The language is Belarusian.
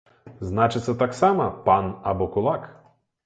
Значыцца, таксама пан або кулак.